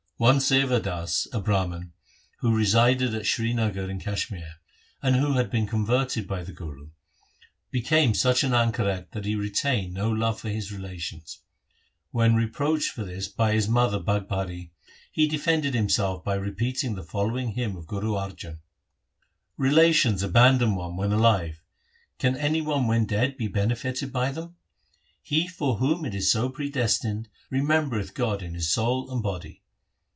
One Sewa Das, a Brahman, who resided at Srinagar in Kashmir, and who had been converted by the Guru, became such an anchoret that he retained no love for his relations. When reproached for this by his mother Bhagbhari, he defended himself by repeating the following hymn of Guru Arjan :— Relations abandon one when alive ; Can any one when dead be benefited by them ? He for whom it is so predestined remembereth God in his soul and body.